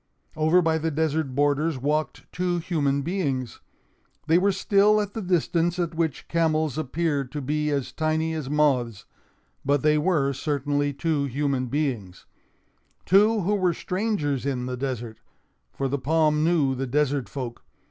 Over by the desert borders walked two human beings. They were still at the distance at which camels appear to be as tiny as moths; but they were certainly two human beings—two who were strangers in the desert; for the palm knew the desert folk.